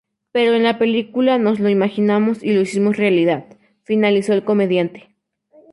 Pero en la película nos lo imaginamos y lo hicimos realidad", finalizó el comediante.